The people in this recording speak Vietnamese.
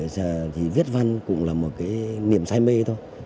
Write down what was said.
giờ thì viết văn cũng là một niềm sai mê thôi